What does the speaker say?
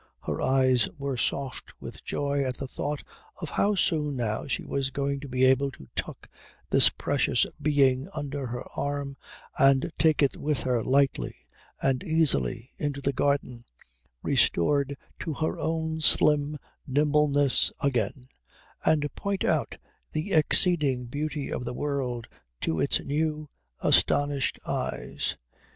Her eyes were soft with joy at the thought of how soon now she was going to be able to tuck this precious being under her arm and take it with her lightly and easily into the garden, restored to her own slim nimbleness again, and point out the exceeding beauty of the world to its new, astonished eyes.